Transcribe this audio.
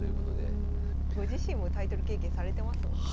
ご自身もタイトル経験されてますもんね。